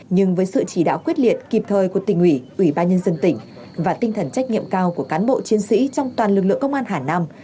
nhưng với sự chỉ đạo quyết liệt kịp thời của tỉnh ủy ủy ban nhân dân tỉnh và tinh thần trách nhiệm cao của cán bộ chiến sĩ trong toàn lực lượng công an hà nam